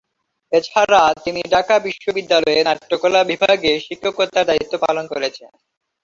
এছাড়া তিনি ঢাকা বিশ্ববিদ্যালয়ে নাট্যকলা বিভাগে শিক্ষকতার দায়িত্ব পালন করছেন।